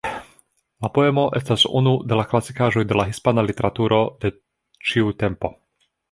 La poemo estas unu de la klasikaĵoj de la hispana literaturo de ĉiu tempo.